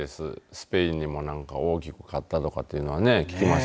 スペインにも大きく買ったとかというのは聞きました。